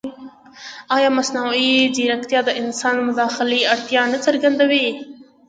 ایا مصنوعي ځیرکتیا د انساني مداخلې اړتیا نه څرګندوي؟